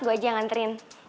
gue aja yang nganterin